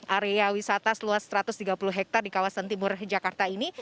area wisata seluas satu ratus tiga puluh hektare di kawasan timur jakarta ini